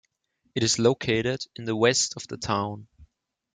It is located in the west of the town.